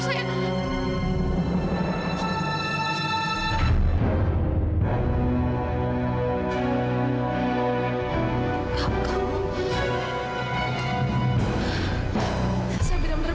saya tidak minta maafnya